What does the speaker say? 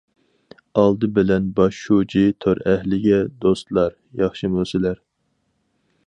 ئالدى بىلەن باش شۇجى تور ئەھلىگە: دوستلار، ياخشىمۇ سىلەر!